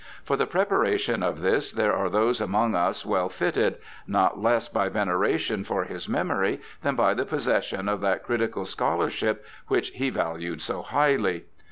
For the preparation of this there are those among us well fitted, not less by veneration for his memory than by the possession of that critical scholarship which he valued so highly.